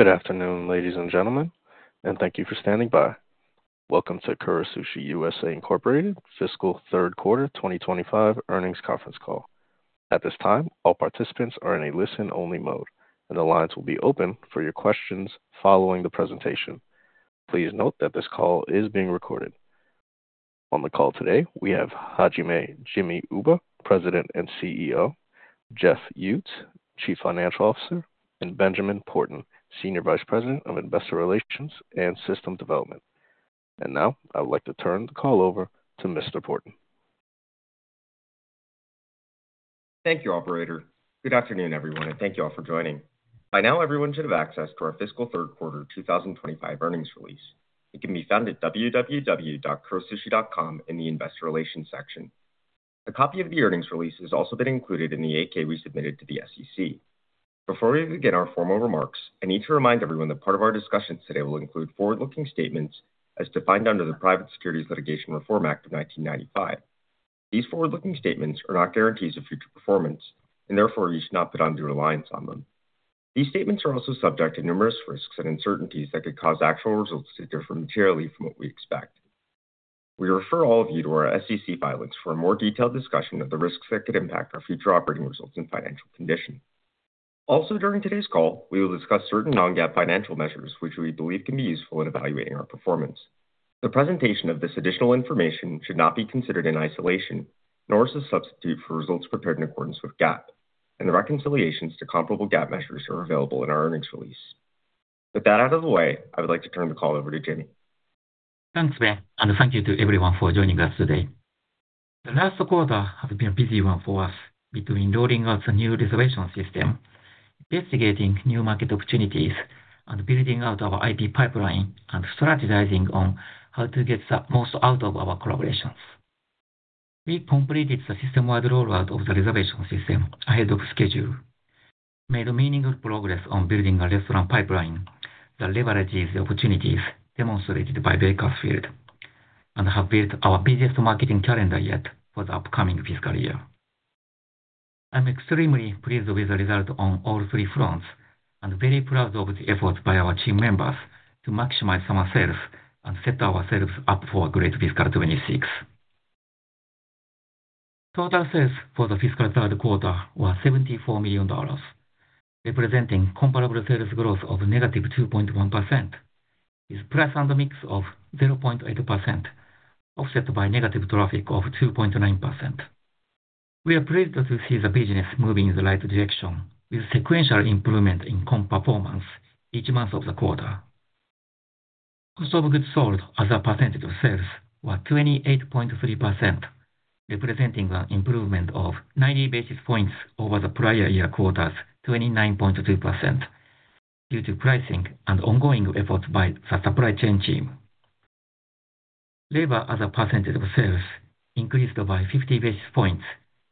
Good afternoon ladies and gentlemen and thank you for standing by. Welcome to Kura Sushi USA Inc. Fiscal Third Quarter 2025 Earnings Conference Call. At this time all participants are in a listen only mode and the lines will be open for your questions following the presentation. Please note that this call is being recorded. On the call today we have Hajime “Jimmy” Uba, President and CEO, Jeff Uttz, Chief Financial Officer, and Benjamin Porten, Senior Vice President of Investor Relations and System Development. I would like to turn the call over to Mr. Porten. Thank you, Operator. Good afternoon, everyone, and thank you all for joining. By now, everyone should have access to our fiscal third quarter 2025 earnings release. It can be found at www.kurasushi.com in the Investor Relations section. A copy of the earnings release has also been included in the 8-K we submitted to the SEC. Before we begin our formal remarks, I need to remind everyone that part of our discussions today will include forward-looking statements as defined under the Private Securities Litigation Reform Act of 1995. These forward-looking statements are not guarantees of future performance, and therefore you should not put undue reliance on them. These statements are also subject to numerous risks and uncertainties that could cause actual results to differ materially from what we expect. We refer all of you to our SEC filings for a more detailed discussion of the risks that could impact our future operating results and financial condition. Also, during today's call, we will discuss certain non-GAAP financial measures which we believe can be useful in evaluating our performance. The presentation of this additional information should not be considered in isolation nor as a substitute for results prepared in accordance with GAAP, and the reconciliations to comparable GAAP measures are available in our earnings release. With that out of the way, I would like to turn the call over to Jimmy. Thanks Ben and thank you to everyone for joining us today. The last quarter has been a busy one for us. Between rolling out the new reservation system, investigating new market opportunities, building out our IP pipeline, and strategizing on how to get the most out of our collaborations, we completed the system-wide rollout of the reservation system ahead of schedule, made meaningful progress on building a restaurant pipeline that leverages the opportunities demonstrated by Bakersfield, and have built our busiest marketing calendar yet for the upcoming fiscal year. I'm extremely pleased with the result on all three fronts and very proud of the efforts by our team members to maximize ourselves and set ourselves up for a great fiscal 2026. Total sales for the fiscal third quarter were $74 million, representing comparable sales growth of -2.1% with price and mix of 0.8% offset by negative traffic of 2.9%. We are pleased to see the business moving in the right direction with sequential improvement in comp performance each month of the quarter. Cost of goods sold as a percentage of sales was 28.3%, representing an improvement of 90 basis points over the prior year quarter's 29.2% due to pricing and ongoing efforts by the supply chain team. Labor as a percentage of sales increased by 50 basis points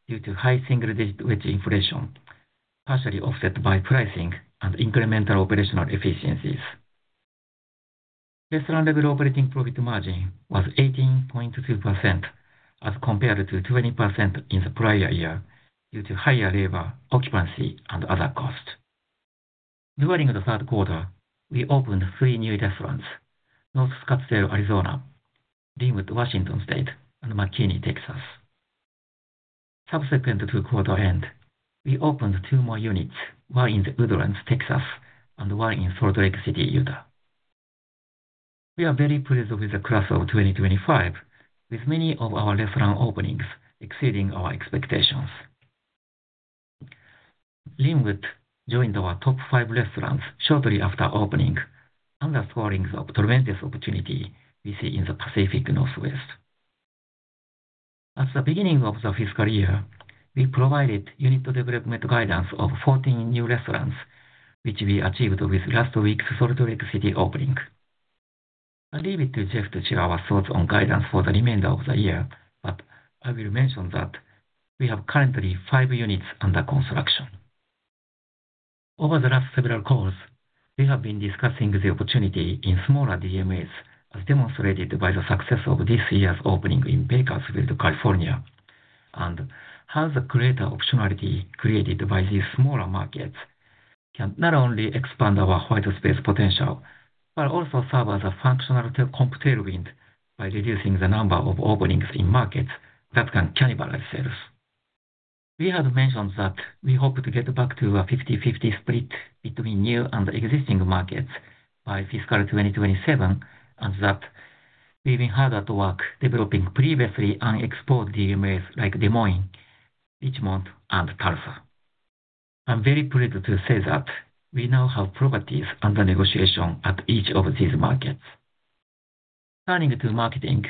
due to high single-digit wage inflation, partially offset by pricing and incremental operational efficiencies. Restaurant-level operating profit margin was 18.2% as compared to 20% in the prior year due to higher labor, occupancy, and other costs. During the third quarter, we opened three new restaurants: North Scottsdale, Arizona; Lynnwood, Washington; and McKinney, Texas. Subsequent to quarter end, we opened two more units, one in The Woodlands, Texas and one in Salt Lake City, Utah. We are very pleased with the class of 2025, with many of our restaurant openings exceeding our expectations. Lynnwood joined our top five restaurants shortly after opening, underscoring the tremendous opportunity we see in the Pacific Northwest. At the beginning of the fiscal year, we provided unit development guidance of 14 new restaurants, which we achieved with last week's Salt Lake City opening. I'll leave it to Jeff to share our thoughts on guidance for the remainder of the year, but I will mention that we have currently five units under construction. Over the last several calls we have been discussing the opportunity in smaller DMAs as demonstrated by the success of this year's opening in Bakersfield, California, and as a greater optionality created by these smaller markets can not only expand our white space potential, but also serve as a functional tailwind by reducing the number of openings in markets that can cannibalize sales. We had mentioned that we hope to get back to a 50:50 split between new and existing markets by fiscal 2027 and that we've been hard at work developing previously unexported DMAs like Des Moines, Beechmont, and Tulsa. I'm very pleased to say that we now have properties under negotiation at each of these markets. Turning to marketing,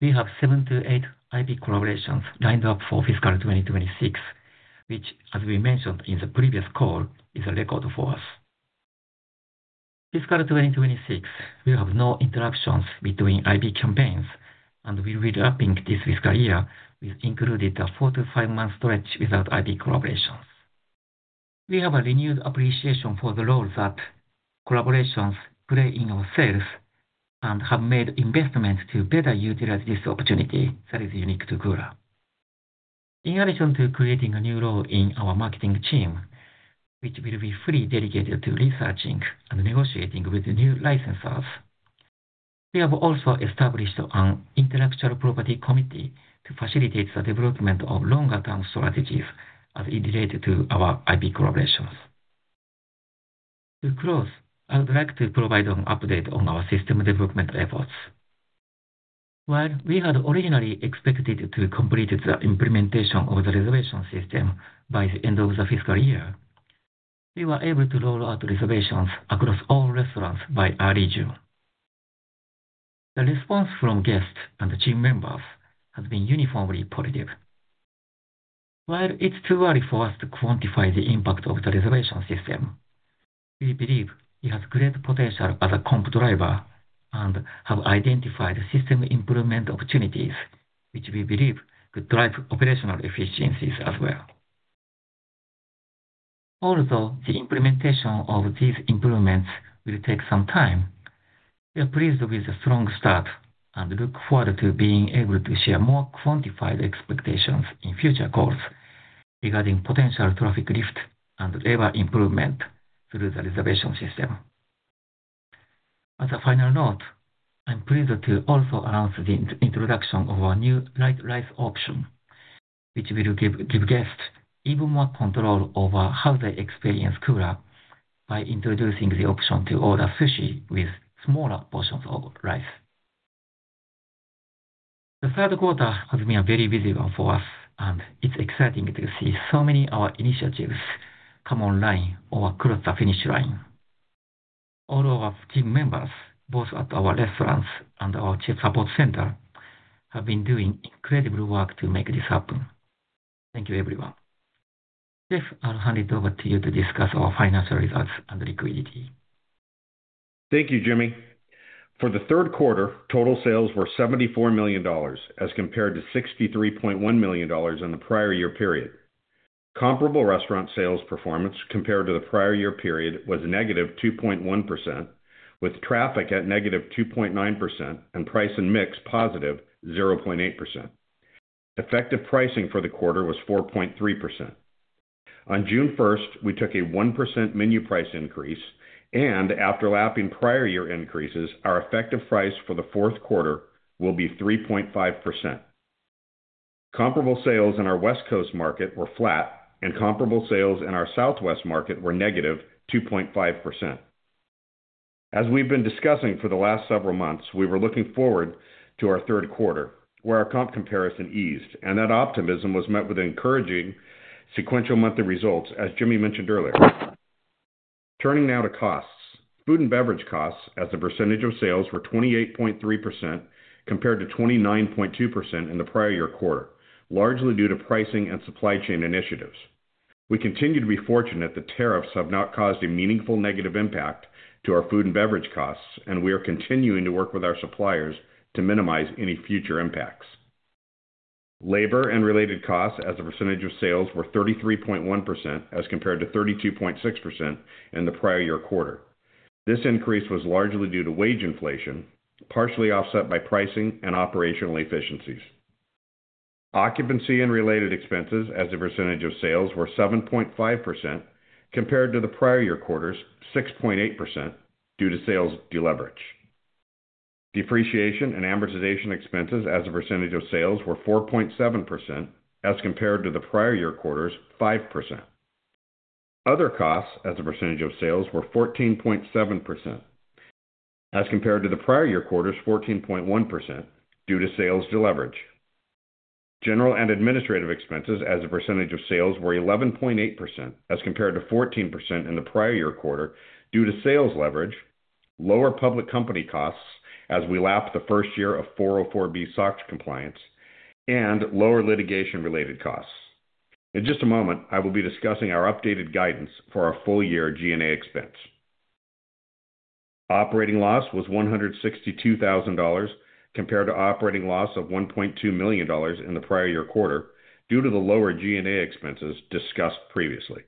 we have seven to eight IP collaborations lined up for fiscal 2026, which as we mentioned in the previous call is a record for us. Fiscal 2026 will have no interruptions between IP campaigns, and we reappear this fiscal year, which included a four to five month stretch without collaborations. We have a renewed appreciation for the role that collaborations play in our sales and have made investments to better utilize this opportunity that is unique to Kura. In addition to creating a new role in our marketing team which will be fully dedicated to researching and negotiating with new licensors, we have also established an Intellectual Property Committee to facilitate the development of longer term strategies as it relates to our IP collaborations. To close, I would like to provide an update on our system development efforts. While we had originally expected to complete the implementation of the reservation system by the end of the fiscal year, we were able to roll out reservations across all restaurants by June. The response from guests and team members has been uniformly positive. While it's too early for us to quantify the impact of the reservation system, we believe it has great potential as a comp driver and have identified system improvement opportunities which we believe could drive operational efficiencies as well. Although the implementation of these improvements will take some time, we are pleased with a strong start and look forward to being able to share more quantified expectations in future calls regarding potential traffic lift and level improvement through the reservation system. As a final note, I'm pleased to also announce the introduction of our new Light Rice option, which will give guests even more control over how they experience Kura by introducing the option to order sushi with smaller portions of rice. The third quarter has been a very busy one for us, and it's exciting to see so many of our initiatives come online or across the finish line. All of our team members, both at our restaurants and our Chief Support Center, have been doing incredible work to make this happen. Thank you, everyone. Jeff, I'll hand it over to you to discuss our financial results and liquidity. Thank you, Jimmy. For the third quarter, total sales were $74 million as compared to $63.1 million in the prior year period. Comparable restaurant sales performance compared to the prior year period was -2.1%, with traffic at -2.9% and price and mix positive 0.8%. Effective pricing for the quarter was 4.3%. On June 1st, we took a 1% menu price increase and after lapping prior year increases, our effective price for the fourth quarter will be 3.5%. Comparable sales in our West Coast market were flat and comparable sales in our Southwest market were -2.5%. As we've been discussing for the last several months, we were looking forward to our third quarter where our comparison eased and that optimism was met with encouraging sequential monthly results. As Jimmy mentioned earlier, turning now to costs, food and beverage costs as a percentage of sales were 28.3% compared to 29.2% in the prior year quarter, largely due to pricing and supply chain initiatives. We continue to be fortunate that tariffs have not caused a meaningful negative impact to our food and beverage costs, and we are continuing to work with our suppliers to minimize any future impacts. Labor and related costs as a percentage of sales were 33.1% as compared to 32.6% in the prior year quarter. This increase was largely due to wage inflation, partially offset by pricing and operational efficiencies. Occupancy and related expenses as a percentage of sales were 7.5% compared to the prior year quarter's 6.8% due to sales deleverage. Depreciation and amortization expenses as a percentage of sales were 4.7% as compared to the prior year quarter's 5%. Other costs as a percentage of sales were 14.7% as compared to the prior year quarter's 14.1% due to sales deleverage. General and administrative expenses as a percentage of sales were 11.8% as compared to 14% in the prior year quarter due to sales leverage, lower public company costs as we lap the first year of 404B SOX compliance, and lower litigation-related costs. In just a moment, I will be discussing our updated guidance for our full year G&A expense. Operating loss was $162,000 compared to operating loss of $1.2 million in the prior year quarter due to the lower G&A expenses discussed previously.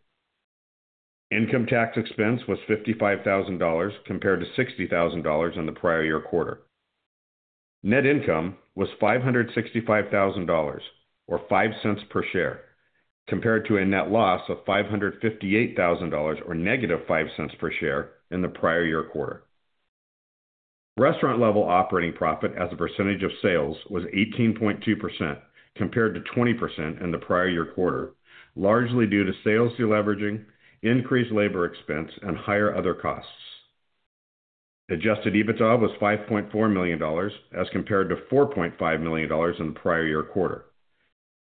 Income tax expense was $55,000 compared to $60,000 in the prior year quarter. Net income was $565,000 or $0.05 per share compared to a net loss of $558,000 or -$0.05 per share in. The prior year quarter. Restaurant level operating profit as a percentage of sales was 18.2% compared to 20% in the prior year quarter, largely due to sales deleveraging, increased labor expense, and higher other costs. Adjusted EBITDA was $5.4 million as compared to $4.5 million in the prior year quarter.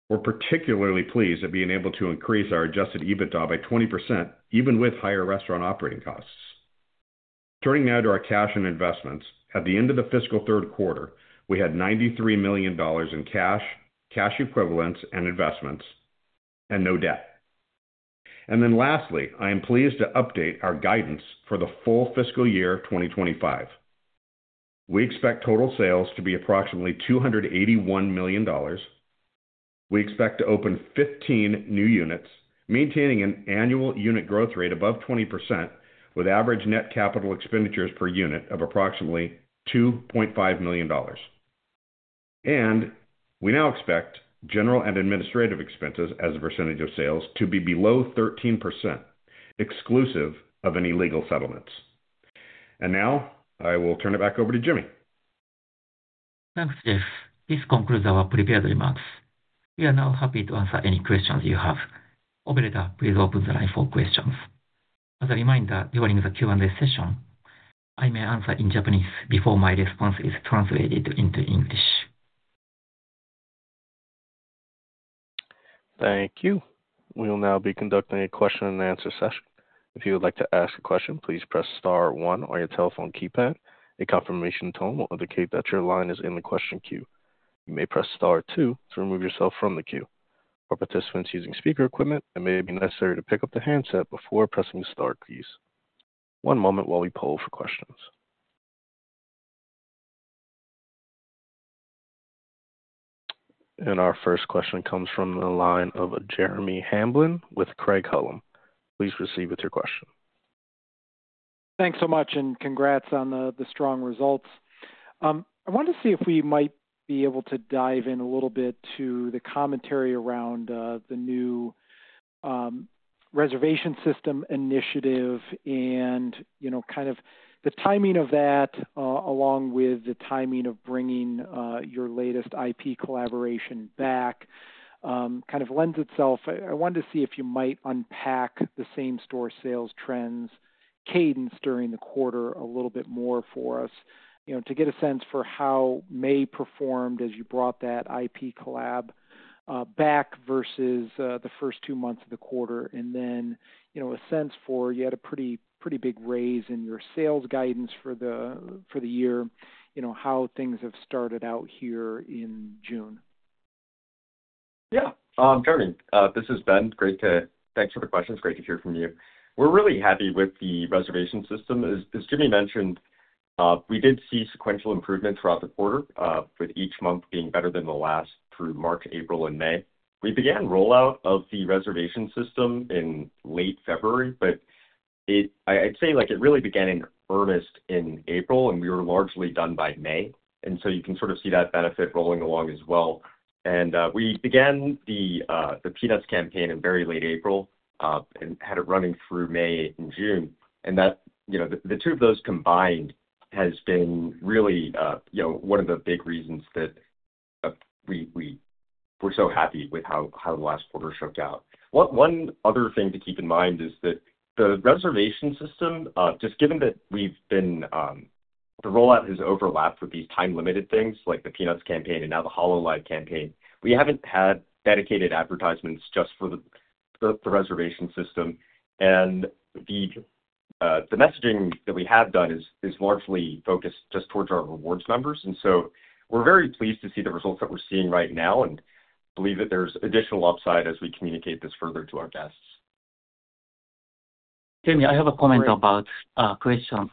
We're particularly pleased at being able to increase our adjusted EBITDA by 20% even with higher restaurant operating costs. Turning now to our cash and investments, at the end of the fiscal third quarter we had $93 million in cash, cash equivalents, and investments and no debt. Lastly, I am pleased to update our guidance. For the full fiscal year 2025, we expect total sales to be approximately $281 million. We expect to open 15 new units, maintaining an annual unit growth rate above 20%, with average net capital expenditures per unit of approximately $2.5 million. We now expect general and administrative expenses as a percentage of sales to be below 13%, exclusive of any legal settlements. I will turn it back over to Jimmy. Thanks, Jeff. This concludes our prepared remarks. We are now happy to answer any questions you have. Operator, please open the line for questions. As a reminder, during the Q&A session, I may answer in Japanese before my response is translated into English. Thank you. We will now be conducting a question and answer session. If you would like to ask a question, please press Star one on your telephone keypad. A confirmation tone will indicate that your line is in the question queue. You may press Star two to remove yourself from the queue. For participants using speaker equipment, it may be necessary to pick up the handset before pressing the star keys. One moment while we poll for questions. Our first question comes from the line of Jeremy Hamblin with Craig Hallum. Please proceed with your question. Thanks so much and congrats on the strong results. I wanted to see if we might be able to dive in a little bit to the commentary around the new reservation system initiative and the timing of that, along with the timing of bringing your latest IP collaboration back. I wanted to see if you might unpack the same store sales trends cadence during the quarter a little bit more for us to get a sense for how May performed as you brought that IP collab back versus the first two months of the quarter, and then a sense for you had a pretty big raise in your sales guidance for the year, how things have started out here in June. Yeah. Jeremy, this is Ben. Great to. Thanks for the questions. Great to hear from you. We're really happy with the reservation system. As Jimmy mentioned, we did see sequential improvement throughout the quarter with each month being better than the last through March, April, and May. We began rollout of the reservation system in late February, but I'd say it really began in earnest in April, and we were largely done by May. You can sort of see that benefit rolling along as well. We began the Peanuts campaign in very late April and had it running through May and June. The two of those combined has been really, you know, one of the big reasons that we were so happy with how the last quarter shook out. One other thing to keep in mind is that the reservation system, just given that the rollout has overlapped with these time-limited things like the Peanuts campaign and now, the HoloLive campaign, we haven't had dedicated advertisements just for the reservation system, and the messaging that we have done is largely focused just towards our rewards members. We're very pleased to see the results that we're seeing right now and believe that there's additional upside as we communicate this further to our guests. Jamie, I have a comment about questions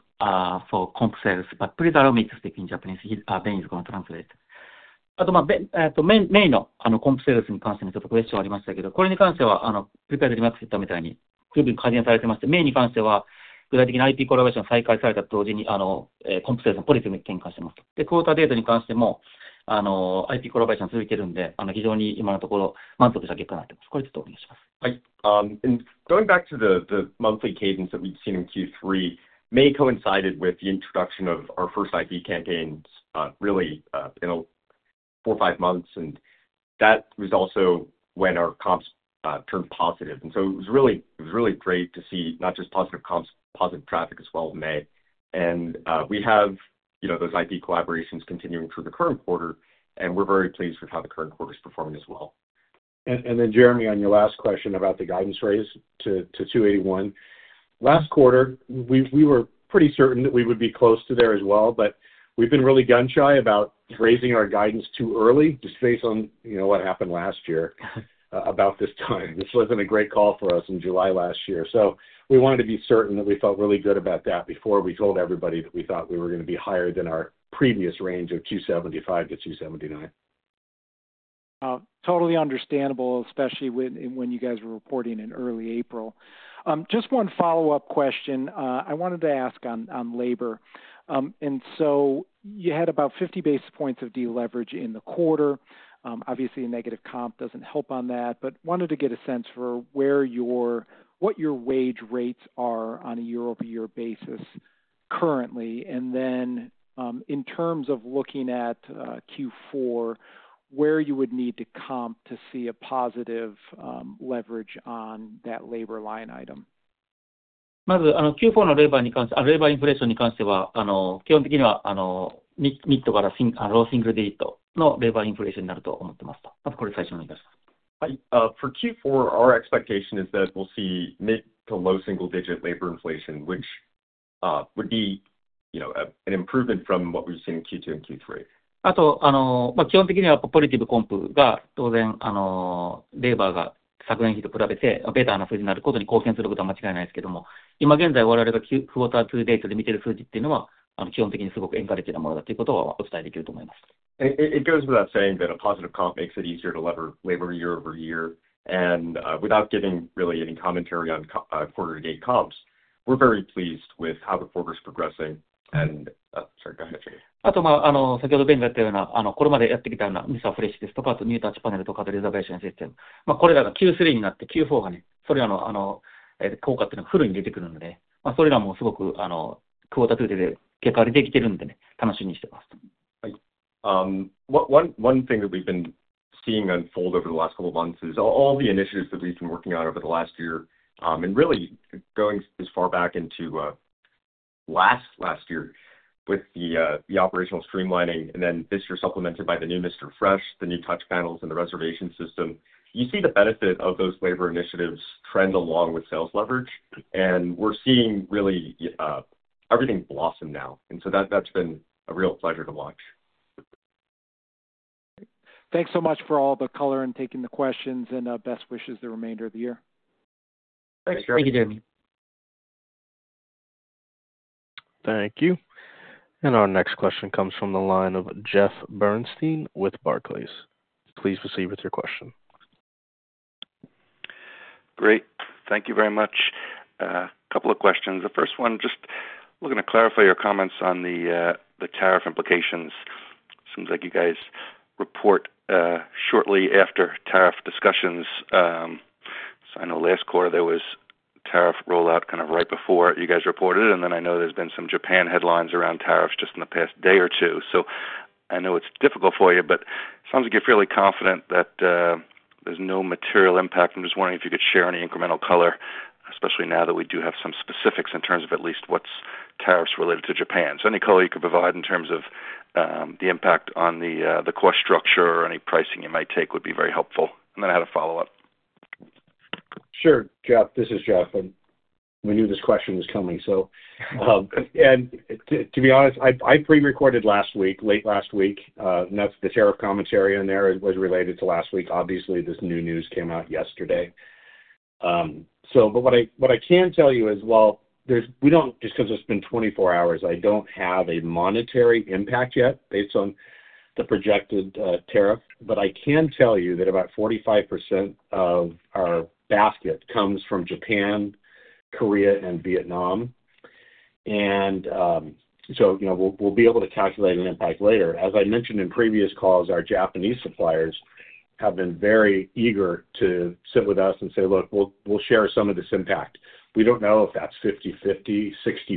for comp sales, but please allow me to speak in Japanese. Ben is going to translate prepared. Going back to the monthly cadence that we'd seen in Q3 may coincided with the introduction of our first IP campaigns really in four or five months. That was also when our comps turned positive. It was really great to see not just positive comps, positive traffic as well in May. We have those IP collaborations continuing through the current quarter and we're very pleased with how the current quarter is performing as well. Jeremy, on your last question about the guidance raise to $281 million last quarter, we were pretty certain that we. Would be close to there as well. We have been really gun shy about raising our guidance too early just based on, you know, what happened last year about this time. This was not a great call for us in July last year, so we wanted to be certain that we felt really good about that before we told everybody. That we thought we were going to. Be higher than our previous range of $275 to $279. Totally understandable, especially when you guys were reporting in early April. Just one follow-up question I wanted to ask on labor. You had about 50 basis points of deleverage in the quarter. Obviously, a negative comp doesn't help on that, but wanted to get a sense for what your wage rates are on a year-over-year basis currently. In terms of looking at Q4, where you would need to comp to see a positive leverage on that labor line item. For Q4, our expectation is that we'll see mid to low single digit labor inflation, which would be an improvement from what we've seen in Q2 and Q3. It goes without saying that a positive comp makes it easier to lever labor year over year. Without giving really any commentary on quarter to date comps, we're very pleased with how the quarter is progressing. One thing that we've been seeing unfold over the last couple months is all the initiatives that we've been working on over the last year and really going as far back into last year with the operational streamlining and this year supplemented by the new Mr. Fresh, the new touch panels, and the reservation system. You see the benefit of those labor initiatives trend along with sales leverage. We're seeing really everything blossom now, and that's been a real pleasure to watch. Thanks so much for all the color and taking the questions, and best wishes the remainder of the year. Thanks, Jeff. Thank you, Jamie. Thank you. Our next question comes from the line of Jeff Bernstein with Barclays. Please proceed with your question. Great. Thank you very much. Couple of questions. The first one, just looking to clarify your comments on the tariff implications. Seems like you guys report shortly after tariff discussions. I know last quarter there was tariff rollout kind of right before you guys reported. I know there's been some Japan headlines around tariffs just in the. Past day or two. I know it's difficult for you, but it sounds like you're fairly confident that there's no material impact. I'm just wondering if you could share any incremental color, especially now that we do have some specifics in terms of at least what's tariffs related to Japan. Any color you could provide in terms of the impact on the cost structure or any pricing you might take would be very helpful. I had a follow up. Sure, Jeff. This is Jeff. We knew this question was coming. So. To be honest, I pre-recorded last week, late last week. The tariff commentary in there was related to last week. Obviously, this new news came out yesterday. So. What I can tell you is. We don't just because it's been. 24 hours, I don't have a monetary impact yet based on the projected tariff. I can tell you that about 45% of our basket comes from Japan, Korea, and Vietnam. We'll be able to calculate an impact later. As I mentioned in previous calls, our Japanese suppliers have been very eager to. Sit with us and say, look, we'll. Share some of this impact. We don't know if that's 50/50,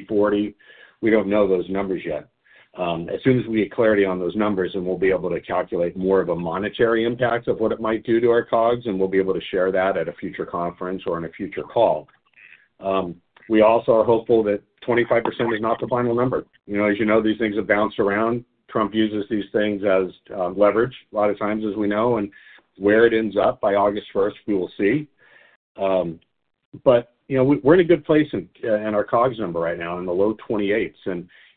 60/40. We don't know those numbers yet. As soon as we get clarity on, we will share them. Those numbers and we'll be able to calculate more of a monetary impact of what it might do to our COGS. We'll be able to share that at a future conference or in a future call. We also are hopeful that 25% is. Not the final number. You know, as you know, these things have bounced around. Trump uses these things as leverage a lot of times, as we know. Where it ends up by August 1, we will see. We're in a good place in our COGS number right now in the low 28%.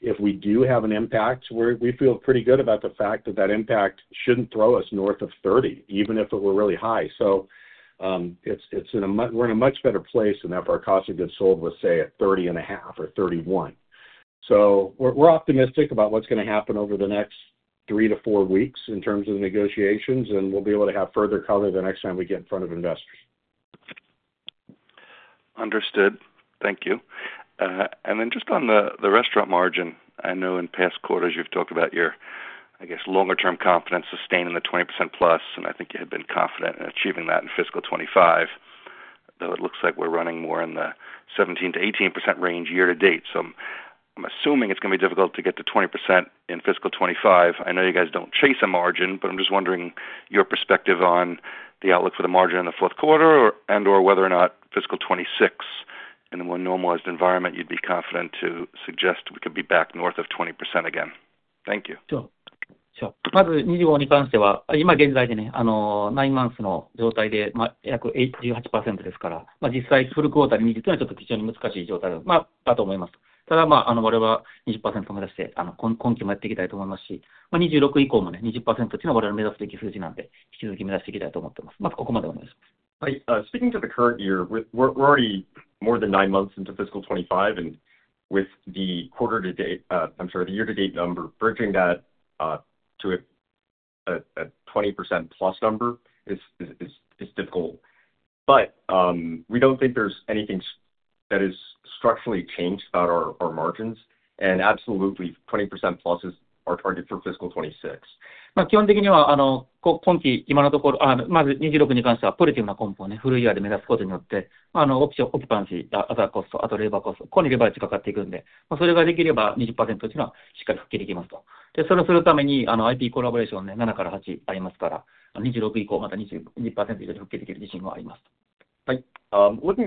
If we do have an impact, we feel pretty good about the fact that that impact shouldn't throw us north of 30% even if it were really high. It's in a. We're in a much better place than. Have our cost of goods sold was. Say at 30.5 or 31. We're optimistic about what's going to. Happen over the next three to four. Weeks in terms of the negotiations, and we'll be able to have further cover the next time we get in front of investors. Understood, thank you. Just on the restaurant margin, I know in past quarters you've talked about your, I guess, longer term confidence sustaining the 20% plus and I think you have been confident in achieving that in fiscal 2025. It looks like we're running more in the 17-18% range year to date. I'm assuming it's going to be difficult to get to 20% in fiscal 2025. I know you guys don't chase a margin, but I'm just wondering your perspective on the outlook for the margin in the fourth quarter and whether or not fiscal 2026 in a more normalized environment you'd be confident to suggest we could be back north of 20% again. Thank you. Forgot. Speaking to the current year, we're already more than nine months into fiscal 2025 and with the year to date number, bridging that to a 20% plus number is difficult, but we don't think there's anything that has structurally changed about our margins and absolutely 20% plus are our target for fiscal 2026. Looking at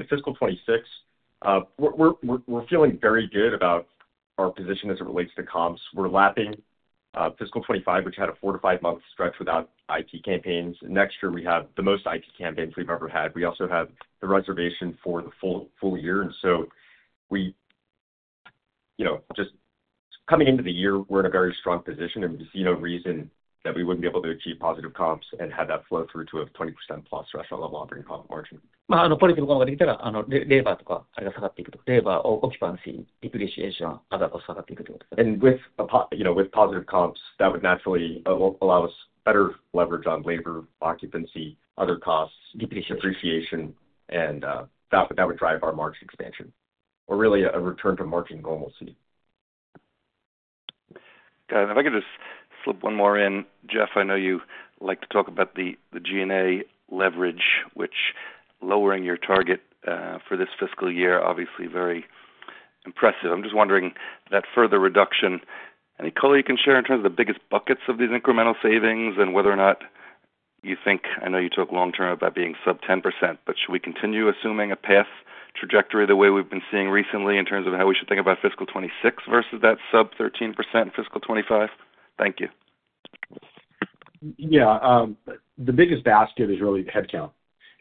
fiscal 2026, we're feeling very good about our position as it relates to comps. We're lapping fiscal 2025, which had a four to five month stretch without IP campaigns. Next year we have the most IP campaigns we've ever had. We also have the reservation system for the full year. You know, just coming into the year we're in a very strong position and we see no reason that we wouldn't be able to achieve positive comps and have that flow through to a 20% plus restaurant level operating profit margin, and with positive comps that would naturally allow us better leverage on labor, occupancy, other costs, depreciation, and that would drive our margin expansion or really a return to margin goal. We'll see. If I could just slip one more in. Jeff, I know you like to talk. About the G&A leverage, which. Lowering your target for this fiscal year, obviously very impressive. I'm just wondering, that further reduction, any color you can share in terms of the biggest buckets of these incremental savings and whether or not you think, I know you talk long term about being sub 10%, but should we continue assuming a path trajectory the way we've been seeing recently in terms of how we should think about fiscal 2026 versus that sub 13% in fiscal 2025? Thank you. Yeah, the biggest basket is really the headcount,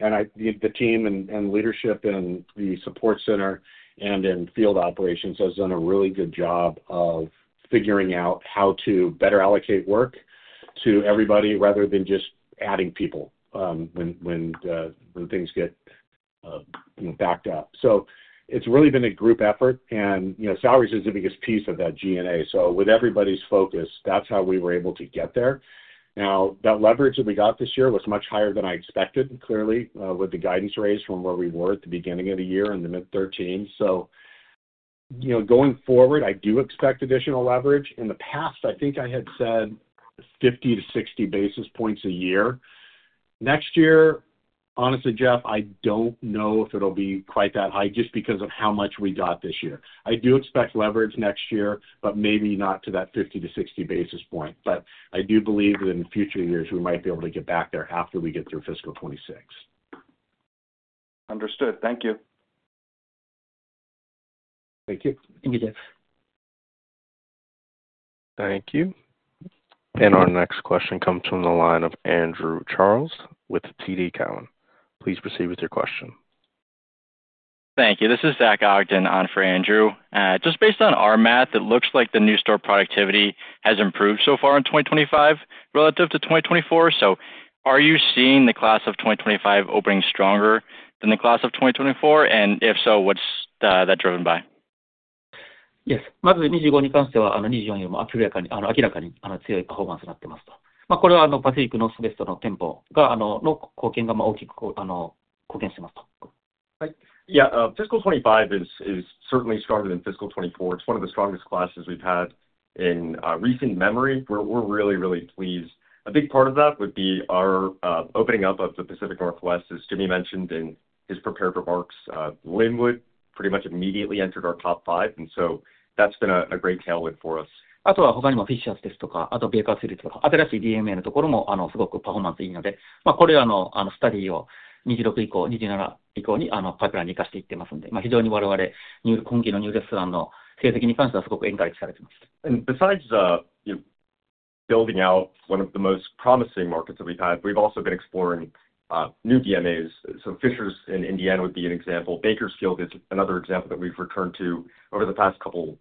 and I think the team and leadership in the support center and in field operations has done a really good job of figuring out how to better allocate work to everybody rather than just adding people when things get backed up. It's really been a group effort, and salaries is the biggest piece of that G&A. With everybody's focus, that's how we were able to get there. That leverage that we got this year was much higher than I expected. Clearly, with the guidance raised from where we were at the beginning of the year in the mid 13. Going forward, I do expect additional leverage. In the past, I think I had said 50-60 basis points a year next year. Honestly, Jeff, I don't know if it'll be quite that high just because of. How much we got this year? I do expect leverage next year, maybe not to that 50 to 60 basis point. I do believe that in future years we might be able to get back there after we get through fiscal 2026. Understood. Thank you. Thank you. Thank you, Dave. Thank you. Our next question comes from the line of Andrew Charles with TD Cowen. Please proceed with your question. Thank you. This is Zach Ogden on for Andrew. Just based on our math, it looks like the new store productivity has improved so far in 2025 relative to 2024. Are you seeing the class of 2025 opening stronger than the class of 2024? If so, what's that? Yeah, fiscal 2025 is certainly stronger than fiscal 2024. It's one of the strongest classes we've had in recent memory. We're really, really pleased. A big part of that would be our opening up of the Pacific Northwest. As Jimmy mentioned in his prepared remarks, Lynnwood pretty much immediately entered our top five. That's been a great tailwind for us and besides building out one of the most promising markets that we've had, we've also been exploring new DMAs. Fishers in Indiana would be an example. Bakersfield is another example that we've returned to over the past couple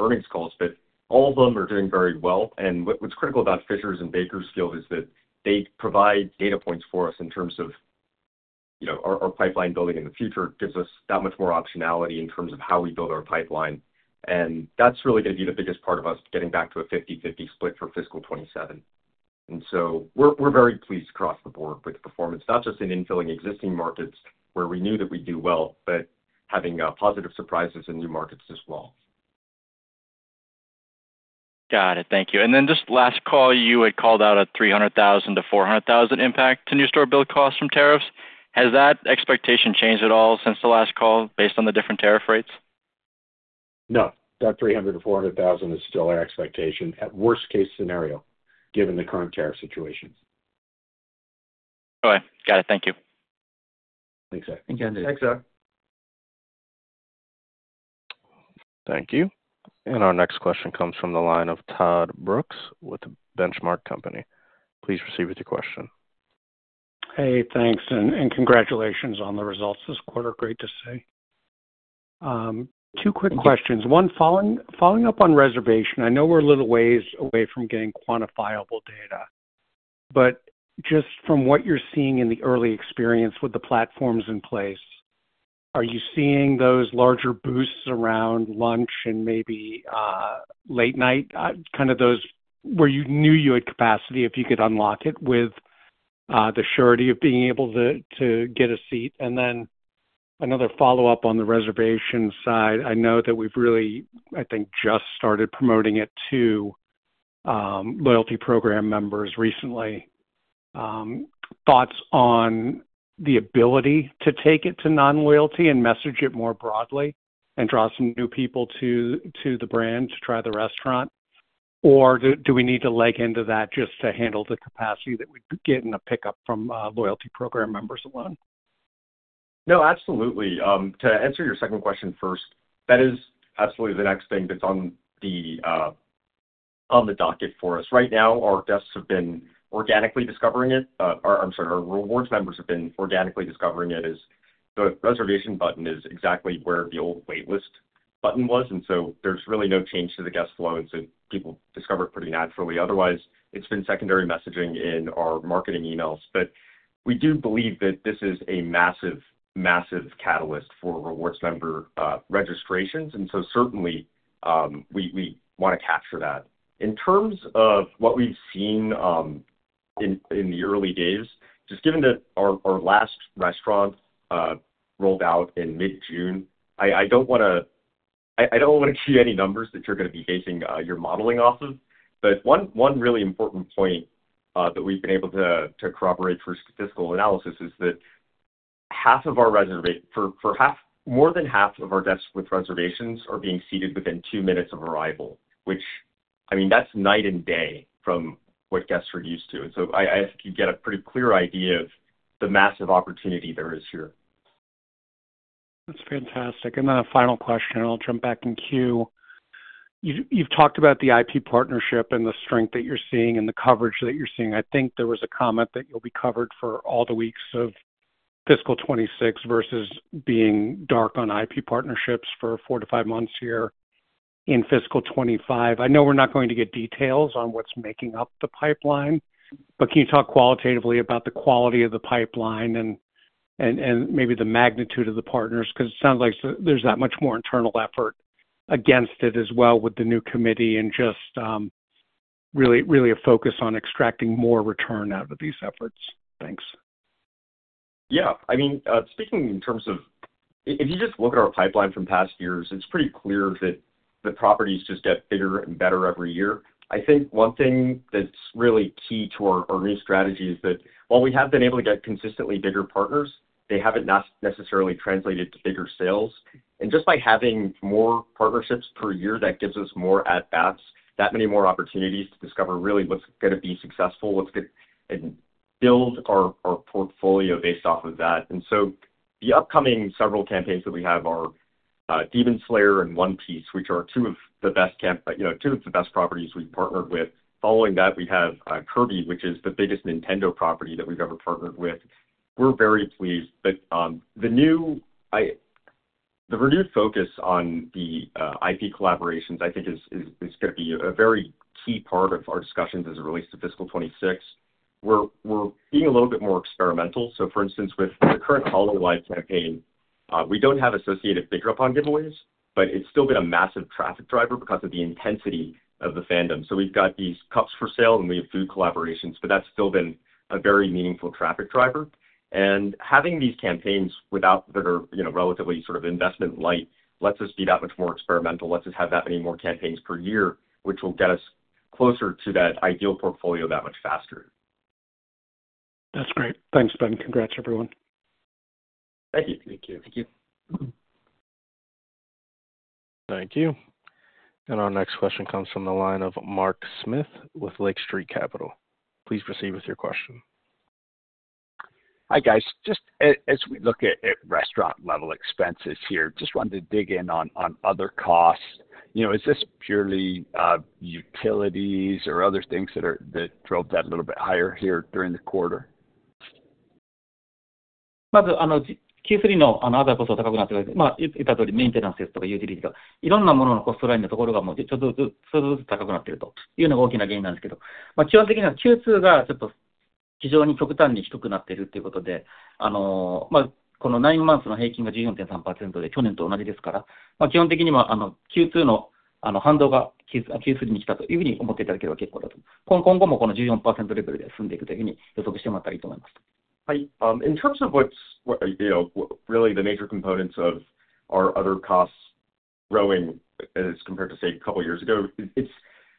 earnings calls, but all of them are doing very well. What's critical about Fishers and Bakersfield is that they provide data points for us in terms of our pipeline building in the future. It gives us that much more optionality in terms of how we build our pipeline. That's really going to be the biggest part of us getting back to a 50/50 split for fiscal 2027. We're very pleased across the board with the performance, not just in infilling existing markets where we knew that we'd do well, but having positive surprises in new markets as well. Got it. Thank you. Last call, you had called out a $300,000-$400,000 impact to new store build costs from tariffs. Has that expectation changed at all since the last call based on the different tariff rates? No, that $300,000-$400,000 is still our expectation at worst case scenario given. The current tariff situation. Okay, got it. Thank you. Thanks, Andy. Thanks, Zach. Thank you. Our next question comes from the line of Todd Brooks with Benchmark Company. Please proceed with your question. Thank you, and congratulations on the results this quarter. Great to see. Two quick questions, one following up on reservation. I know we're a little ways away from getting quantifiable data, but just from what you're seeing in the early experience with the platforms in place, are you seeing those larger boosts around lunch and maybe late night, kind of those where you knew you had capacity if you could unlock it with the surety of being able to get a seat? Another follow up on the reservation side. I know that we've really, I think, just started promoting it to loyalty program members recently. Thoughts on the ability to take it to non-loyalty and message it more broadly and draw some new people to the brand to try the restaurant? Do we need to leg into that just to handle the capacity that we get in a pickup from loyalty program members alone? No, absolutely. To answer your second question first, that is absolutely the next thing that's on the docket for us right now. Our guests have been organically discovering it. I'm sorry, our rewards members have been organically discovering it. The reservation button is exactly where the old waitlist button was, and so there's really no change to the guest flow and people discover it pretty naturally. Otherwise, it's been secondary messaging in our marketing emails. We do believe that this is a massive, massive catalyst for rewards member registrations, and certainly we want to capture that. In terms of what we've seen in the early days, just given that our last restaurant rolled out in mid June, I don't want to see any numbers that you're going to be basing your modeling off of. One really important point that we've been able to corroborate for statistical analysis is that more than half of our desks with reservations are being seated within two minutes of arrival, which, I mean, that's night and day from what guests are used to. I think you get a pretty clear idea of the massive opportunity there is here. That's fantastic. A final question. I'll jump back in queue. You've talked about the IP partnership and the strength that you're seeing and the coverage that you're seeing. I think there was a comment that you'll be covered for all the weeks of fiscal 2026 versus being dark on IP partnerships for four to five months here in fiscal 2025. I know we're not going to get details on what's making up the pipeline, but can you talk qualitatively about the quality of the pipeline and maybe the magnitude of the partners? It sounds like there's that much more internal effort against it as well with the new committee and just really a focus on extracting more return out of these efforts. Thanks. Yeah, I mean, speaking in terms of if you just look at our pipeline from past years, it's pretty clear that the properties just get bigger and better every year. I think one thing that's really key to our new strategy is that while we have been able to get consistently bigger partners, they haven't necessarily translated to bigger sales. Just by having more partnerships per year, that gives us more at bats, that many more opportunities to discover really what's going to be successful. Let's get and build our portfolio based off of that. The upcoming several campaigns that we have are Demon Slayer and One Piece, which are two of the best, you know, two of the best properties we've partnered with. Following that, we have Kirby, which is the biggest Nintendo property that we've ever partnered with. We're very pleased. The renewed focus on the IP collaborations I think is going to be a very key part of our discussions as it relates to fiscal 2026. We're being a little bit more experimental. For instance, with the current HoloLive campaign, we don't have associated bigger upon giveaways, but it's still been a massive traffic driver because of the intensity of the fandom. We've got these cups for sale and we have food collaborations, but that's still been a very meaningful traffic driver. Having these campaigns that are relatively sort of investment light lets us be that much more experimental, lets us have that many more campaigns per year, which will get us closer to that ideal portfolio that much faster. That's great. Thanks, Ben. Congrats, everyone. Thank you. Thank you. Thank you. Thank you. Our next question comes from the line of Mark Smith with Lake Street Capital. Please proceed with your question. Hi guys. Just as we look at restaurant level expenses here, just wanted to dig in on other costs. You know, is this purely utilities or? Other things that are. That drove that a little bit higher here during the quarter. In terms of. What's, you know, really the major components of our other costs growing as compared to, say, a couple years ago, it's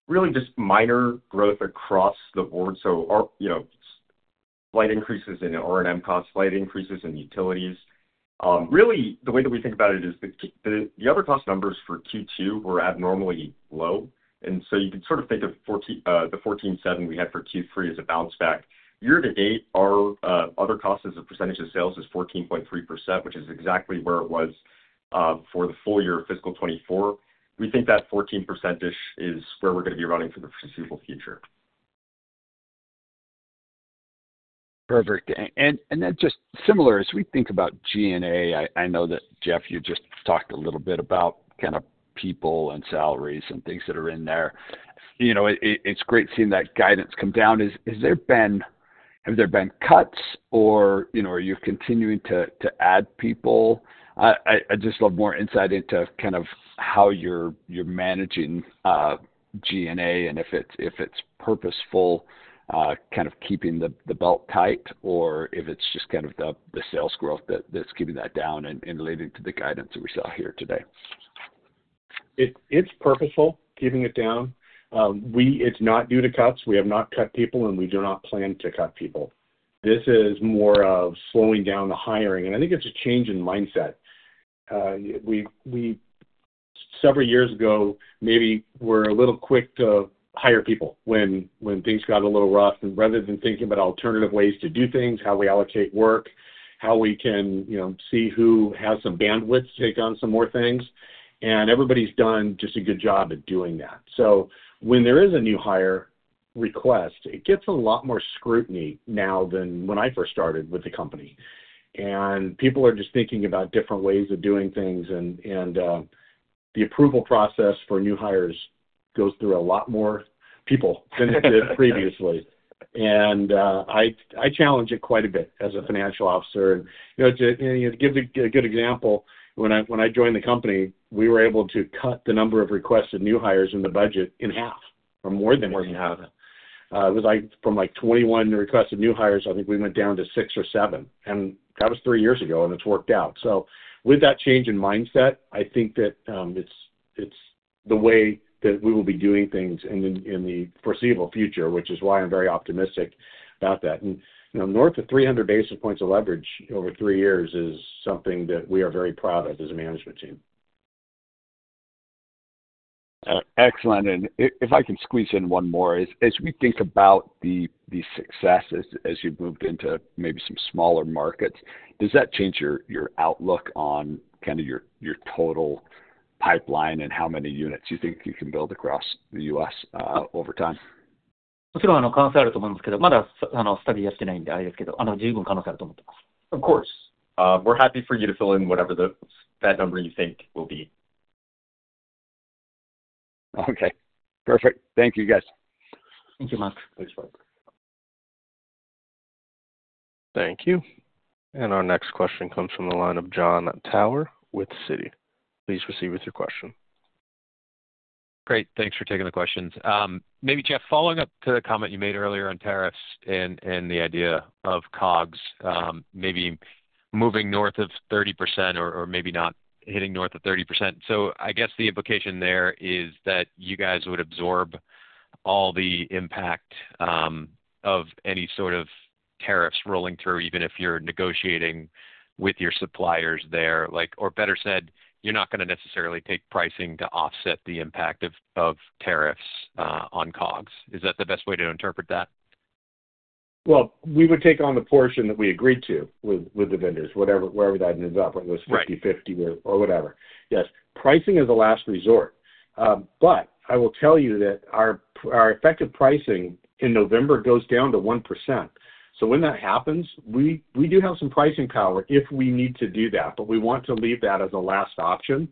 really just minor growth across the board. You know, slight increases in R&M cost, slight increases in utilities. Really, the way that we think about it is the other cost numbers for Q2 were abnormally low. You can sort of think of the $1.47 we had for Q3 as a bounce back. Year to date, our other cost as a percentage of sales is 14.3%, which is exactly where it was for the full year fiscal 2024. We think that 14% ish is where we're going to be running for the foreseeable future. Perfect. As we think about G&A, I know that, Jeff, you just talked a little bit about people and salaries and things that are in there. It's great seeing that guidance come down. Have there been cuts or are you continuing to add people?I just love more insight into how you're managing G&A and if it's purposeful, keeping the belt tight, or if it's just the sales growth that's keeping that down and leading to the guidance that we saw here today. It's purposeful, keeping it down. It's not due to cuts. We have not cut people and we do not plan to cut people. This is more of slowing down the hiring. I think it's a change in mindset. We several years ago, maybe were a little quick to hire people when things. Got a little rough rather than. Thinking about alternative ways to do things, how we allocate work, how we can. See who has some bandwidth to take. On some more things, and everybody's done just a good job at doing that. When there is a new hire request, it gets a lot more scrutiny now than when I first started with the company. People are just thinking about different ways of doing things. The approval process for new hires goes through a lot more people than it did previously. I challenge it quite a bit as a financial officer. To give a good example, when I joined the company, we were able to cut the number of requested new hires in the budget in half or more than half. It was like from 21 requested new hires, I think we went down to six or seven. That was three years ago. It's worked out. With that change in mindset, I. Think that it's the way that we. Will be doing things in the foreseeable future, which is why I'm very optimistic about that. North of 300 basis points of leverage over three years is something that we are very proud of as a management team. Excellent. If I can squeeze in one more, as we think about the success as you've moved into maybe some smaller markets, does that change your outlook on kind of your total pipeline and how many units you think you can build across the U.S. over time? Of course, we're happy for you to fill in whatever that number you think will be. Okay, perfect. Thank you, guys. Thank you, Mark. Thank you. Our next question comes from the line of John Tower with Citi. Please proceed with your question. Great. Thanks for taking the questions. Maybe, Jeff, following up to the comment you made earlier on tariffs and the idea of COGS maybe moving north of 30% or maybe not hitting north of 30%. I guess the implication there is that you guys would absorb all the impact of any sort of tariffs rolling through, even if you're negotiating with your suppliers there, or better said, you're not going to necessarily take pricing to offset the impact of tariffs on COGS. Is that the best way to interpret that? We would take on the portion that we agreed to with the vendors, wherever that ended up, whether it was 50/50 or whatever. Yes, pricing is a last resort. I will tell you that our effective pricing in November goes down to 1%. When that happens, we do have some pricing power if we need to do that, but we want to leave that as a last option,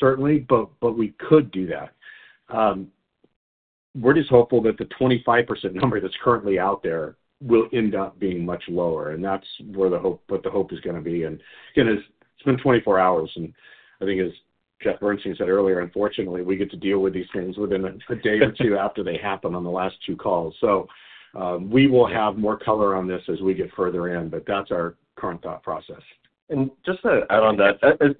certainly. We could do that. We're just hopeful that the 25% number. That's currently out there will end up being much lower. That is what the hope is going to be. It has been 24 hours. I think as Jeff Bernstein said earlier, unfortunately, we get to deal with it. These things within a day or two. They happen on the last two calls. We will have more color on this as we get further in. That is our current thought process. Just to add on that, as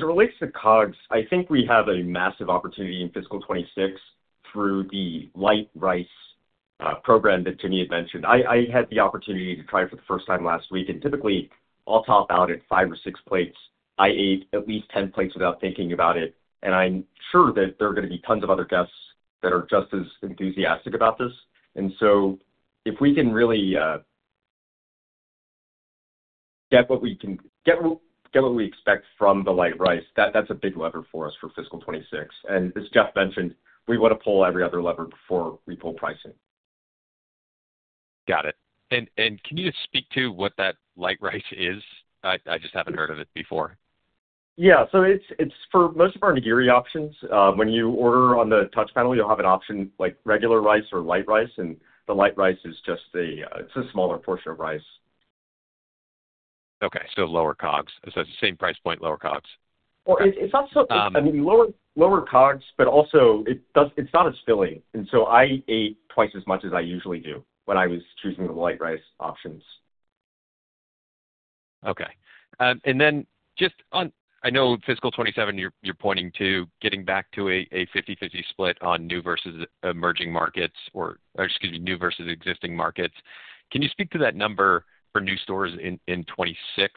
it relates to COGS, I think we have a massive opportunity in fiscal 2026 through the Light Rice option that Jimmy had mentioned. I had the opportunity to try it for the first time last week, and typically I'll top out at five or six plates. I ate at least 10 plates without thinking about it. I'm sure that there are going to be tons of other guests that are just as enthusiastic about this. If we can really. Get. What we can get, what we expect from the Light Rice option, that's a big lever for us for fiscal 2026. As Jeff mentioned, we want to pull every other lever before we pull pricing. Got it. Can you speak to what that Light Rice option is? I just haven't heard of it before. Yeah, so it's for most of our nigiri options. When you order on the touch panel, you'll have an option like regular rice or Light Rice. The Light Rice option is just a smaller portion of rice. Okay. Lower COGS, same price point. Lower COGS. It's also, I mean, lower COGS, but also it's not as filling. I ate twice as much as I usually do when I was choosing the Light Rice options. Okay. Just on, I know, fiscal. 27, you're pointing to getting back to a 50%/50% split on new versus emerging markets, or, excuse me, new versus existing markets. Can you speak to that number for new stores in 2026?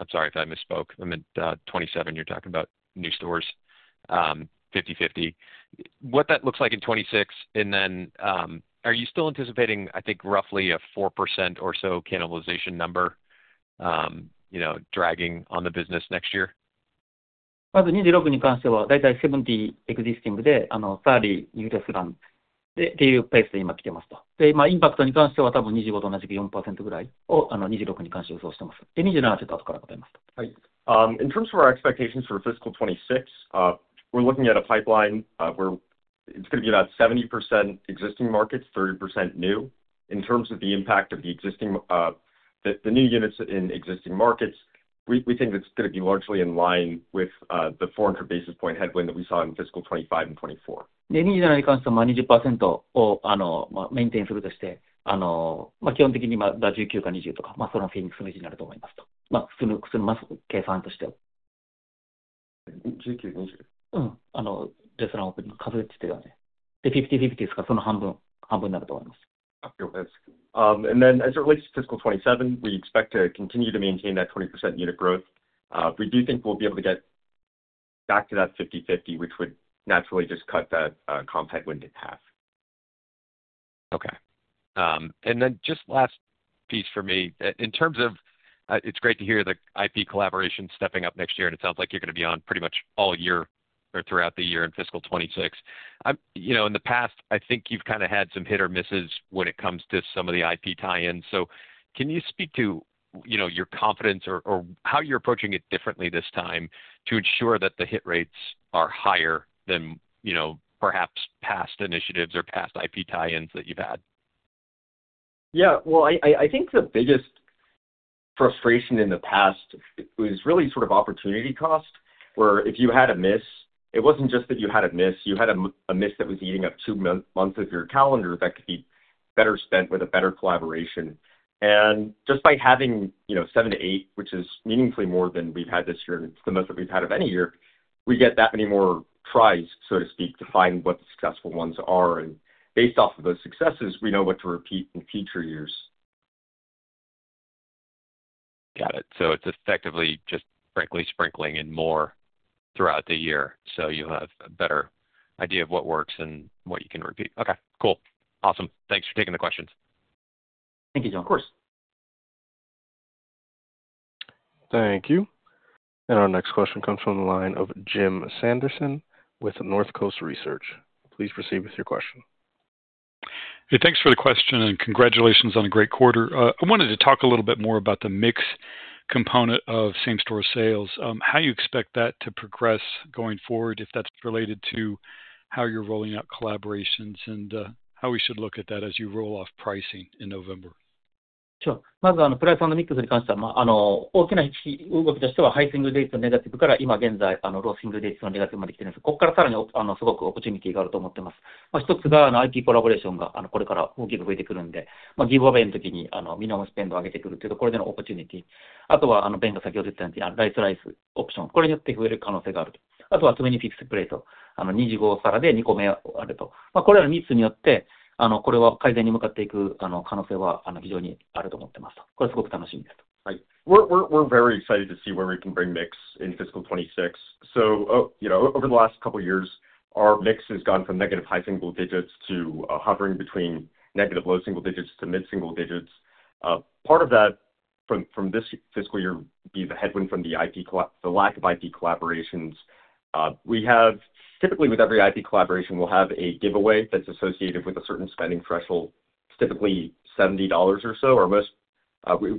I'm sorry if I misspoke. I meant 2027. You're talking about new stores, 50%/50%, what that looks like in 2026. Are you still anticipating, I think roughly a 4% or so cannibalization number, you know, dragging on the business? Next, in terms of our expectations for fiscal 2026, we're looking at a pipeline where it's going to be about 70% existing markets, 30% new. In terms of the impact of the existing, the new units in existing markets, we think it's going to be largely in line with the 400 basis point headwind that we saw in fiscal 2025 and 2024. As it relates to fiscal 2027, we expect to continue to maintain that 20% unit growth. We do think we'll be able to get back to that 50%/50%, which would naturally just cut that comp headwind in half. Okay. Just last piece for me in terms of it's great to hear the IP collaboration stepping up next year. It sounds like you're going to be on pretty much all year or throughout the year in fiscal 2026. In the past, I think you've kind of had some hit or misses when it comes to some of the IP tie-ins. Can you speak to your confidence or how you're approaching it differently this time to ensure that the hit rates are higher than, you know, perhaps past initiatives or past IP tie-ins that you've had? I think the biggest frustration in the past was really sort of opportunity cost, where if you had a miss, it wasn't just that you had a miss, you had a miss that was eating up two months of your calendar that could be better spent with a better collaboration. Just by having, you know, seven to eight, which is meaningfully more than we've had this year, it's the most that we've had of any year. We get that many more tries, so to speak, to find what the successful ones are. Based off of those successes, we know what to repeat in future years. Got it. It's effectively just frankly sprinkling in more throughout the year so you have a better idea of what works and what you can repeat. Okay, cool. Awesome. Thanks for taking the questions. Thank you, John. Of course. Thank you. Our next question comes from the line of Jim Sanderson with North Coast Research. Please proceed with your question. Thanks for the question and congratulations on a great quarter. I wanted to talk a little bit. More about the mix component of same store sales, how you expect that to progress going forward if that's related to how you're rolling out collaborations and how we should look at that as you roll off pricing in November. Sure. Negative imagine. Opportunity. Opportunity option. We're very excited to see where we can bring mix in fiscal 2026. Over the last couple years, our mix has gone from negative high single digits to hovering between negative low single digits to mid single digits. Part of that from this fiscal year will be the headwind from the lack of IP collaborations we have. Typically with every IP collaboration, we'll have a giveaway that's associated with a certain spending threshold, typically $70 or so.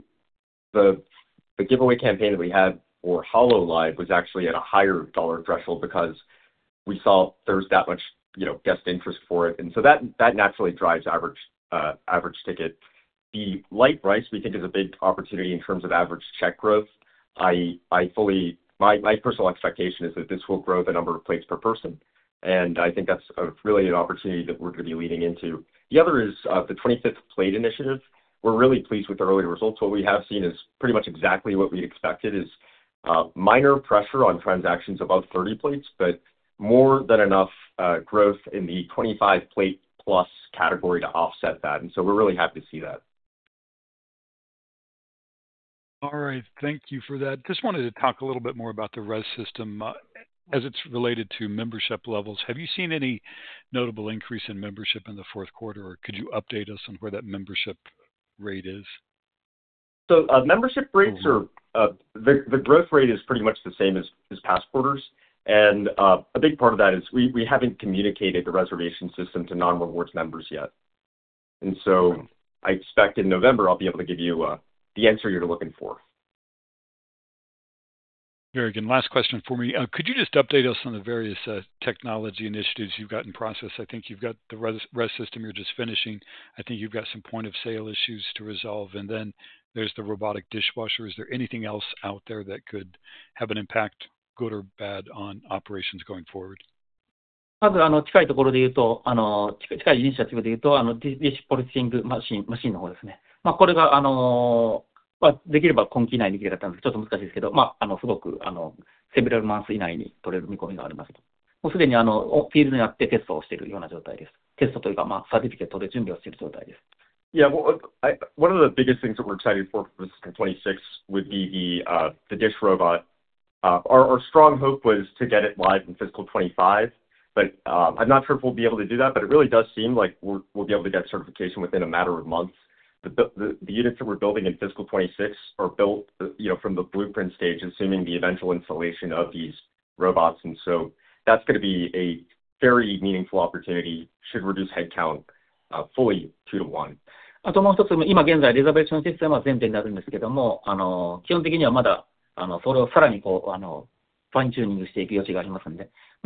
The giveaway campaign that we had for HoloLive was actually at a higher dollar threshold because we saw there's that much guest interest for it, and that naturally drives average ticket. The Light Rice option, we think, is a big opportunity in terms of average check growth. My personal expectation is that this will grow the number of plates per person, and I think that's really an opportunity that we're going to be leaning into. The other is the 25th plate initiative. We're really pleased with the early results. What we have seen is pretty much exactly what we expected: minor pressure on transactions above 30 plates, but more than enough growth in the 25 plate plus category to offset that. We're really happy to see that. All right, thank you for that. Just wanted to talk a little bit. More about the reservation system as it's related to membership levels. Have you seen any notable increase in membership in the fourth quarter? Could you update us on where that membership rate is? Membership rates are. The growth rate is pretty much the same as past quarters. A big part of that is we haven't communicated the reservation system to non rewards members yet. I expect in November I'll be able to give you the answer you're looking for. Very good. Last question for me. Could you just update us on the various technology initiatives you've got in process? I think you've got the reservation system you're just finishing. I think you've got some point of sale issues to resolve. Then there's the dishwashing robot. Is there anything else out there that could have an impact, good or bad, on operations going forward? Yeah, one of the biggest things that we're excited for fiscal 2026 would be the dishwashing robot. Our strong hope was to get it live in fiscal 2025, but I'm not sure if we'll be able to do that. It really does seem like we'll be able to get certification within a matter of months. The units that we're building in fiscal 2026 are built from the blueprint stage, assuming the eventual installation of these robots. That's going to be a very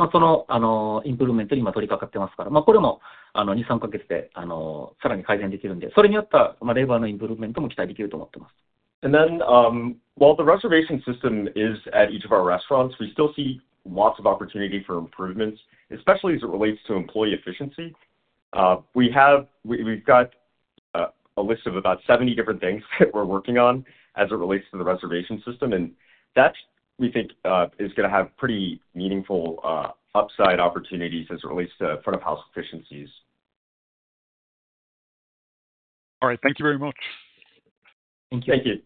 meaningful opportunity. Should reduce headcount fully two to one. While the reservation system is at each of our restaurants, we still see lots of opportunity for improvements, especially as it relates to employee efficiency. We've got a list of about 70 different things that we're working on as it relates to the reservation system. We think that's going to have pretty meaningful upside opportunities as it relates to front of house efficiencies. All right, thank you very much. Thank you.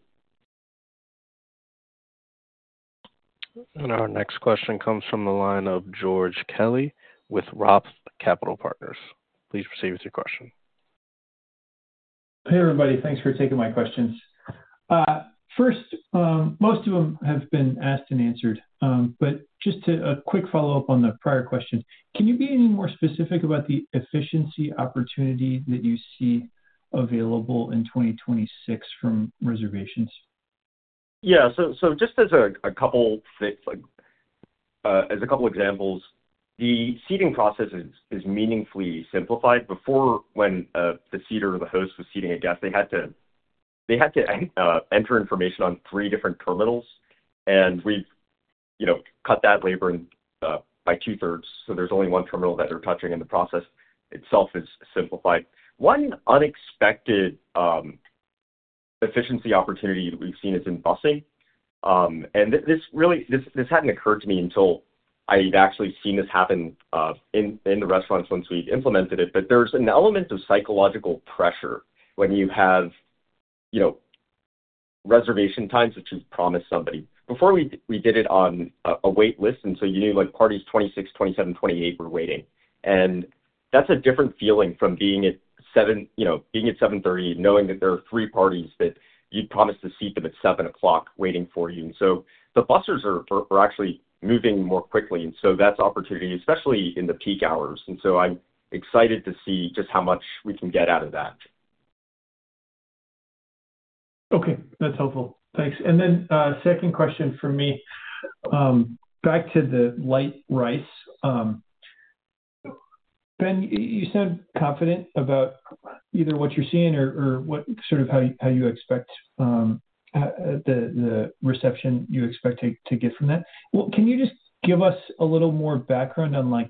Our next question comes from the line of George Kelly with Roth Capital Partners. Please proceed with your question. Hey, everybody, thanks for taking my questions first. Most of them have been asked and answered. Just a quick follow-up on the prior question. Can you be any more specific about the efficiency opportunity that you see available in 2026 from reservations? Yeah. Just as a couple examples, the seating process is meaningfully simplified. Before, when the seater or the host was seating a guest, they had to enter information on three different terminals, and we've cut that labor by two thirds. There's only one terminal that they're touching, and the process itself is simplified. One unexpected efficiency opportunity that we've seen is in busing. This hadn't occurred to me until I'd actually seen this happen in the restaurants once we've implemented it. There's an element of psychological pressure when you have reservation times, which is promised somebody before we did it on a waitlist. You knew parties 26, 27, 28 were waiting, and that's a different feeling from being at 7:00, being at 7:30, knowing that there are three parties that you promised to seat them at 7:00 waiting for you. The buses are actually moving more quickly, and that's opportunity, especially in the peak hours. I'm excited to see just how much we can get out of that. Okay, that's helpful, thanks. Second question for me, back to the Light Rice option. Ben, you sound confident about either what you're seeing or what sort of how. You expect the reception you expect to get from that. Can you just give us a. Little more background on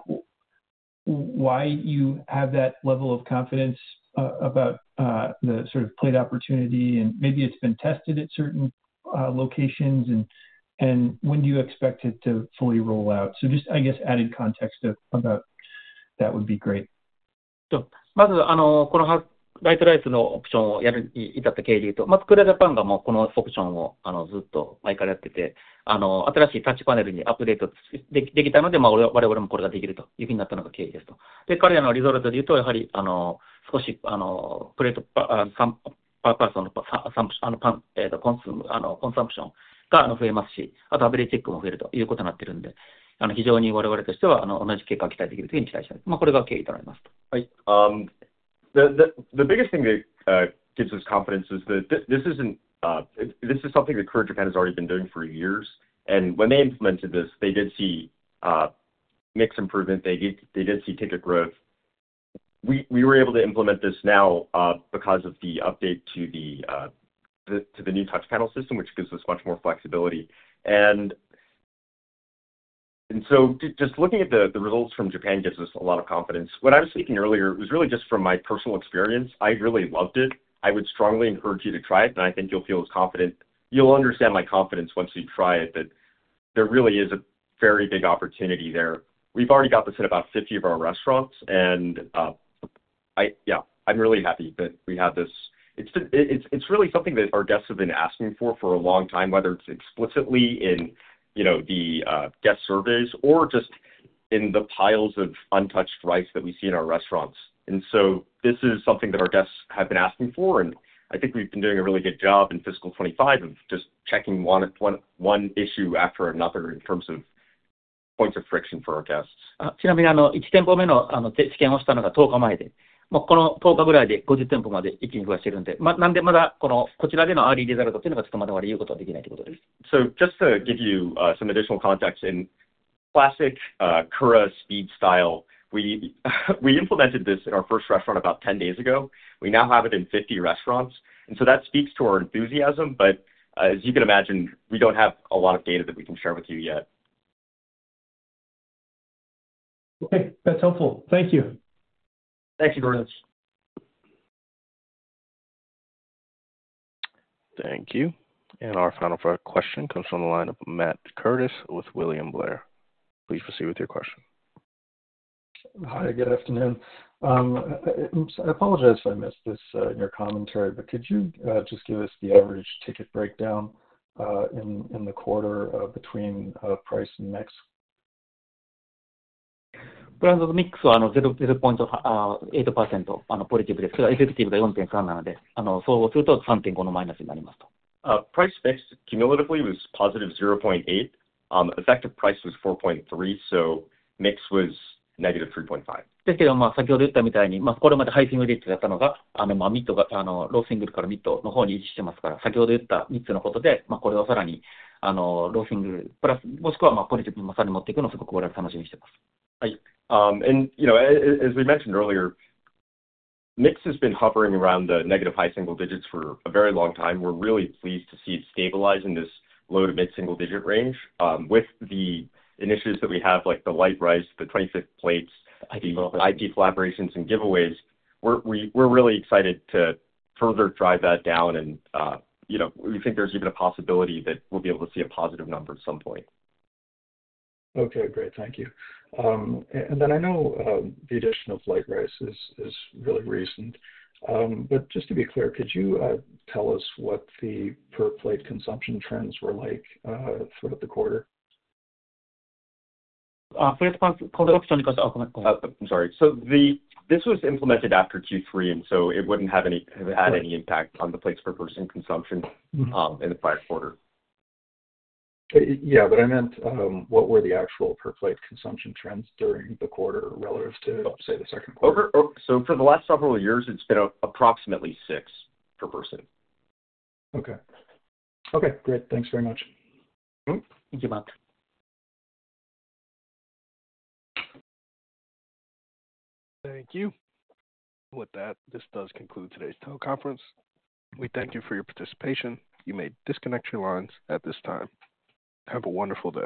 why you. Have that level of confidence about the sort of plate opportunity and maybe it's been tested at certain locations. When do you expect it to fully roll out? I guess, added context about. That would be great. Okay. The biggest thing that gives us confidence is that this isn't. This is something that Japan has already been doing for years. When they implemented this, they did see mix improvement, they did see ticket growth. We were able to implement this now because of the update to the new touch panel system, which gives us much more flexibility. Just looking at the results from Japan gives us a lot of confidence. When I was speaking earlier, it was really just from my personal experience. I really loved it. I would strongly encourage you to try it and I think you'll feel as confident, you'll understand my confidence once you try it, that there really is a very big opportunity there. We've already got this at about 50 of our restaurants. I'm really happy that we have this. It's really something that our guests have been asking for for a long time, whether it's explicitly in the guest service or just in the piles of untouched rice that we see in our restaurants. This is something that our guests have been asking for. I think we've been doing a really good job in fiscal 2025 of just checking one issue after another in terms of points of friction for our guests. Just to give you some additional context, in classic Kura speed style, we implemented this in our first restaurant about 10 days ago. We now have it in 50 restaurants. That speaks to our enthusiasm. As you can imagine, we don't have a lot of data that we can share with you yet. Okay, that's helpful. Thank you. Thank you very much. Thank you. Our final question comes from the line of Matt Curtis with William Blair. Please proceed with your question. Hi, good afternoon. I apologize if I missed this in your commentary, but could you just give us the average tick breakdown in the quarter between price and mix? Price mix cumulatively was positive 0.8%. Effective price was 4.3%. Mix was negative 3.5%. As we mentioned earlier, mix has been hovering around the negative high single digits for a very long time. We're really pleased to see it stabilize in this low to mid single digit range. With the initiatives that we have like the Light Rice option, the 25th plates, IP collaborations and giveaways, we're really excited to further drive that down. We think there's even a possibility that we'll be able to see a positive number at some point. Okay, great, thank you. I know the addition of Light Rice is really recent, but just to be clear, could you tell us what the per plate consumption trends were like throughout the quarter? This was implemented after Q3 and it wouldn't have had any impact on the plates per person consumption in the prior quarter. Yeah, but I meant what were the actual per plate consumption trends during the quarter relative to, say, the second quarter? For the last several years it's. Been approximately six per person. Okay, great. Thanks very much. Thank you, Matt. Thank you. With that, this does conclude today's teleconference. We thank you for your participation. You may disconnect your lines at this time. Have a wonderful day.